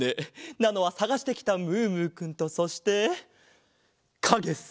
なのはさがしてきたムームーくんとそしてかげさ。